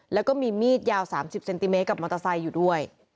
แล้วก็มีมีดยาว๓๐เซนติเมตรกับมอเตอร์ไซค์อยู่ด้วย